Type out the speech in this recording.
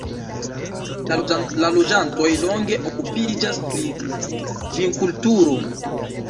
La loĝantoj longe okupiĝas pri vinkulturo.